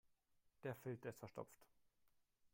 Der Filter ist verstopft.